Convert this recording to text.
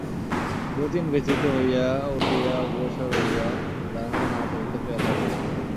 যতীন ব্যথিত হইয়া উঠিয়া অগ্রসর হইয়া তাহার হাত হইতে পেয়ালা লইল।